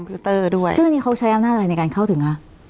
ซึ่งตอนนี้เขาใช้อำนาจอะไรในการเข้าถึงครับ